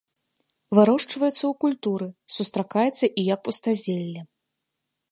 Вырошчваецца ў культуры, сустракаецца і як пустазелле.